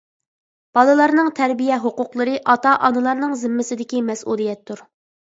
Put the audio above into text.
بالىلارنىڭ تەربىيە ھوقۇقلىرى ئاتا-ئانىلارنىڭ زىممىسىدىكى مەسئۇلىيەتتۇر.